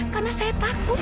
karena saya takut